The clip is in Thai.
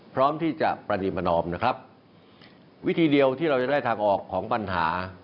พร้อมที่จะประดิษฐมนอมนะครับวิธีเดียวที่เราจะได้ทางออกของปัญหา